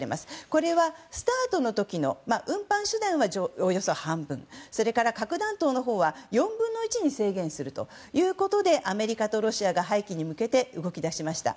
これはＳＴＡＲＴの時の運搬手段はおよそ半分で核弾頭は４分の１に制限するということでアメリカとロシアが廃棄に向けて動き出しました。